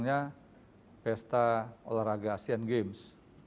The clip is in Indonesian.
pertanyaannya pesta olahraga asian games